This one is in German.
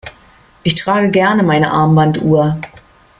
Ich trage gerne meine Armbanduhr.